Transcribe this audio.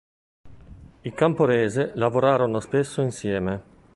I Camporese lavorarono spesso insieme.